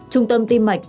trung tâm tim mạch